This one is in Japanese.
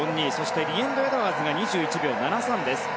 リエンド・エドワーズが２１秒７３です。